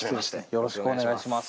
よろしくお願いします。